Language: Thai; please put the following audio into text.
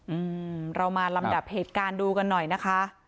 อืมเรามาลำดับเหตุการณ์ดูกันหน่อยนะคะ